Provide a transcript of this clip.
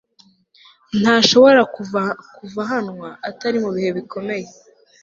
ntanashobora kuhavanwa atari mu bihe bikomeye